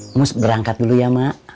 kamu berangkat dulu ya mak